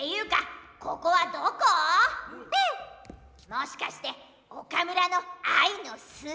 もしかして岡村の愛の巣？